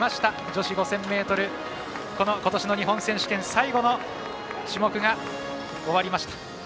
女子５０００ｍことしの日本選手権、最後の種目が終わりました。